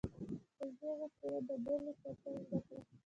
په ځیږه صورت د ګلو ساتل زده کړه.